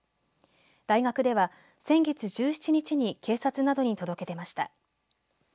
大学では先月１７日に警察などに届け出ました。